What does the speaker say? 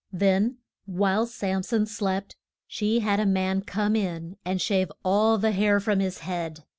Then while Sam son slept, she had a man come in and shave all the hair from his head.